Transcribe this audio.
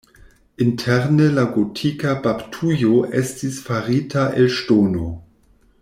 Interne la gotika baptujo estis farita el ŝtono.